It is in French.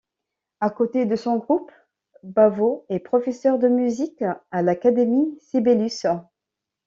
À côté de son groupe, Paavo est professeur de musique à l'Académie Sibelius.